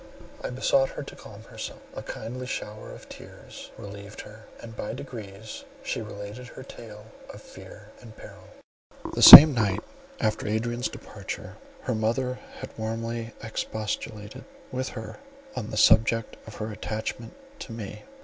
I besought her to calm herself; a kindly shower of tears relieved her, and by degrees she related her tale of fear and peril. That same night after Adrian's departure, her mother had warmly expostulated with her on the subject of her attachment to me.